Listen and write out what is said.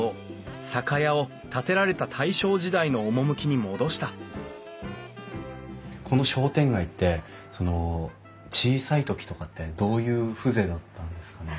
酒屋を建てられた大正時代の趣に戻したこの商店街って小さい時とかってどういう風情だったんですか？